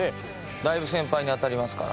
だいぶ先輩に当たりますから。